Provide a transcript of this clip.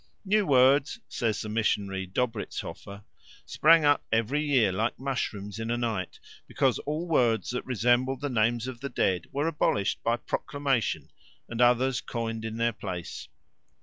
New words, says the missionary Dobrizhoffer, sprang up every year like mushrooms in a night, because all words that resembled the names of the dead were abolished by proclamation and others coined in their place.